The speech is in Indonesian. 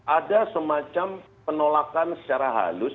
ada semacam penolakan secara halus